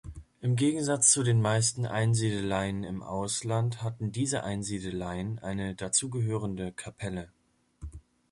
Im Gegensatz zu den meisten Einsiedeleien im Ausland hatten diese Einsiedeleien eine dazugehörende Kapelle.